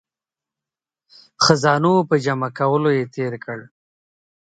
خزانو په جمع کولو یې تیر کړ.